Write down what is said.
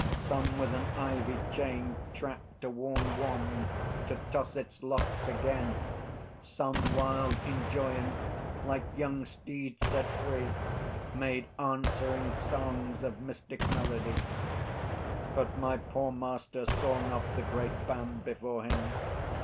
Some with an ivy chain Tracked a worn wand to toss its locks again; Some, wild in joyance, like young steeds set free, Made answering songs of mystic melody. But my poor master saw not the great band Before him.